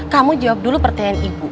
kamu jawab dulu pertanyaan ibu